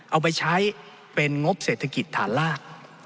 เอาไปใช้เป็นงบเศรษฐกิจฐานลาก